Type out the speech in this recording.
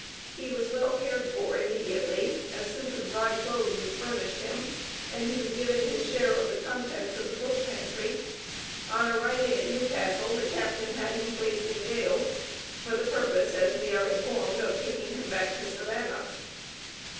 He was well cared for immediately; a suit of dry clothes was furnished him, and he was given his share of the contents of the boat pantry. On arriving at Newcastle, the captain had him placed in jail, for the purpose, as we are informed, of taking him back to Savannah.